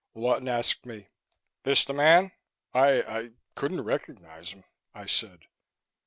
Lawton asked me: "This the man?" "I I couldn't recognize him," I said.